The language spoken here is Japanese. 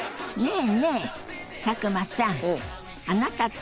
え？